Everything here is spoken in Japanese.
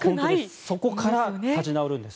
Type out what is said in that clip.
そこから立ち直るんです。